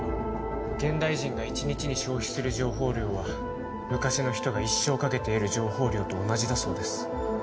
現代人が一日に消費する情報量は昔の人が一生かけて得る情報量と同じだそうです